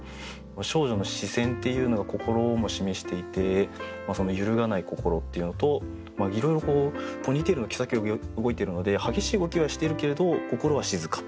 「少女の視線」っていうのが心も示していて揺るがない心っていうのといろいろポニーテールの毛先が動いているので激しい動きはしているけれど心は静か。